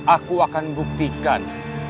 aku akan buktikan